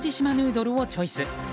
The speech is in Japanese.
どるをチョイス。